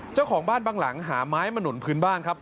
เจ้าของบ้านบางหลังหาไม้มาหนุนพื้นบ้านครับ